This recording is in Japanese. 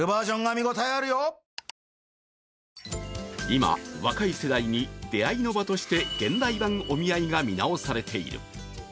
今、若い世代に出会いの場として現代版お見合いが見直されている。